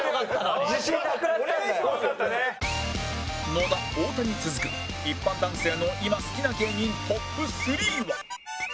野田太田に続く一般男性の今好きな芸人トップ３は